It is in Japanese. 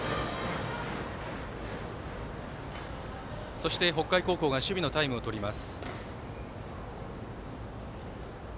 そして、北海高校が守備のタイムをとります。